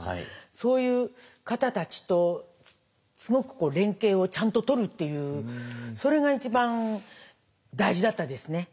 そういう方たちとすごく連携をちゃんととるっていうそれが一番大事だったですね。